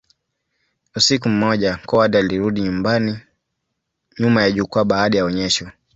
Usiku mmoja, Coward alirudi nyuma ya jukwaa baada ya onyesho.